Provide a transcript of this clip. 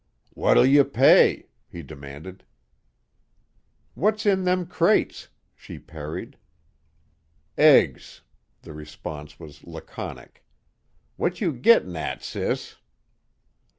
"What'll you pay?" he demanded. "What's in them crates," she parried. "Eggs." The response was laconic. "What you gittin' at, sis?"